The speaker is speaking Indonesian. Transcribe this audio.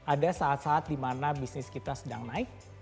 ada saat saat dimana bisnis kita sedang berkembang